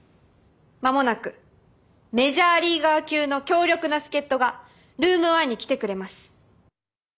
間もなくメジャーリーガー級の強力な助っとがルーム１に来てくれます。